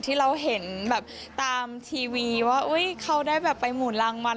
ที่เราเห็นตามทีวีว่าเขาไปหมุนรางวัล